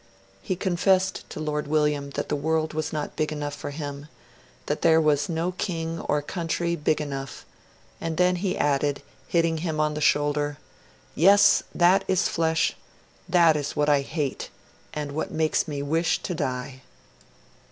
He confessed to Lord William that the world was not big enough for him, that there was 'no king or country big enough'; and then he added, hitting him on the shoulder, 'Yes, that is flesh, that is what I hate, and what makes me wish to die.'